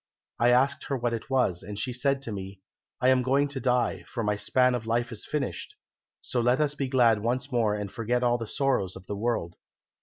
I asked her what it was, and she said to me, 'I am going to die, for my span of life is finished; so let us be glad once more and forget all the sorrows of the world.'